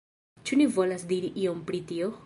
Ĉu ni volas diri ion pri tio?